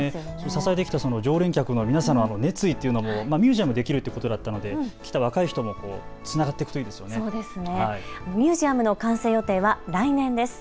支えてきた常連客の皆様の熱意というのもミュージアムできるという形だったのできっと若い人にもつながっていくといいですね。